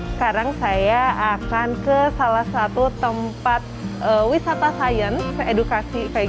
sekarang saya akan ke salah satu tempat wisata sains edukasi